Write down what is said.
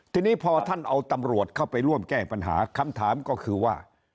ทีนี้พอท่านเอาตำรวจเข้าไปร่วมแก้ปัญหาคำถามก็คือว่า